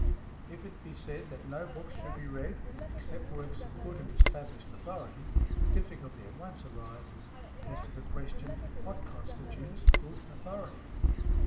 If it be said that no books should be read, except works of good and established authority, the difficulty at once arises as to the question, what constitutes "good authority?"